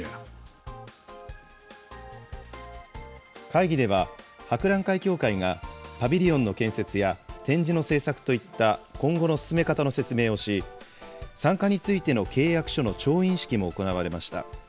会議では、博覧会協会が、パビリオンの建設や展示の制作といった今後の進め方の説明をし、参加についての契約書の調印式も行われました。